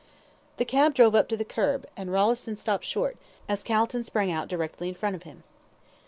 The cab drove up to the kerb, and Rolleston stopped short, as Calton sprang out directly in front of him.